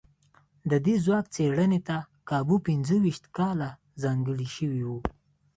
د دې ځواک څېړنې ته کابو پينځو ويشت کاله ځانګړي شوي وو.